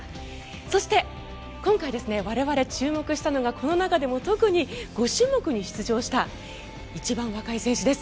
そして、今回我々注目したのがこの中でも特に５種目に出場した一番若い選手です。